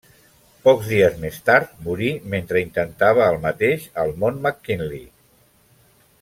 Pocs dies més tard morí mentre intentava el mateix al Mont McKinley.